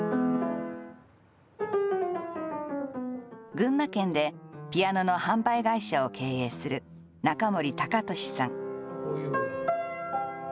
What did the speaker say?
群馬県でピアノの販売会社を経営する中森隆利さん。